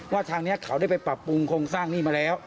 ว่าทางนี้เขาได้ไปปรับโพงสร้างนี้มาแล้ว